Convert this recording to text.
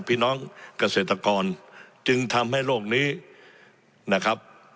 พี่น้องเกษตรกรจึงทำให้โลกนี้นะครับ